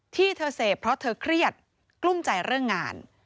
ที่เธอเสพเพราะเธอเครียดกลุ้มใจเรื่องงาน